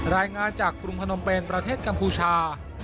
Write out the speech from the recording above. รายงานจากกรุงพนมเป็นประเทศกัมพูชา